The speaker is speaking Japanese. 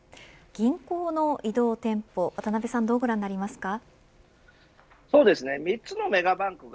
銀行の移動店舗どうご覧になりますか。